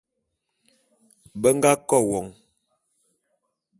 Be nga KO won.